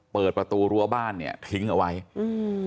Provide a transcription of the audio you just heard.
เปิดประตูรั้วบ้านเนี้ยทิ้งเอาไว้อืม